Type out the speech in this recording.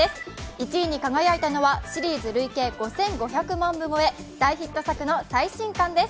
１位に輝いたのはシリーズ累計５５００万部超え、大ヒット作の最新巻です。